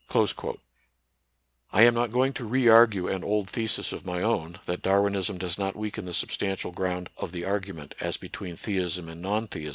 * I am not going to re argue an old thesis of my own that Darwinism does not weaken the substantial ground of the argument, as between theism and non theism, for design in Nature.!